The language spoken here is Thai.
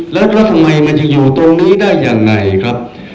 แล้วทำไมมันจะอยู่ตรงนี้ได้ยังไงครับ